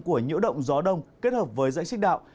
của nhiễu động gió đông kết hợp với dãy xích đạo